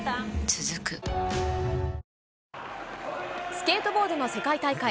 続くスケートボードの世界大会。